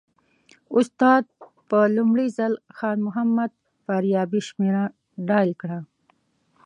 استاد په لومړي ځل خان محمد فاریابي شمېره ډایل کړه.